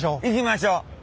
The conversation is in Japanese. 行きましょう。